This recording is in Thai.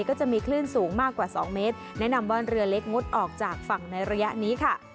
ก็จะมีคลื่นสูงมากกว่า๒เมตรแนะนำว่าเรือเล็กงดออกจากฝั่งในระยะนี้ค่ะ